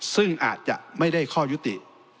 ซึ่งอาจจะไม่ได้ข้อยุติ